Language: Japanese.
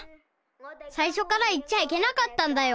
さいしょから行っちゃいけなかったんだよ。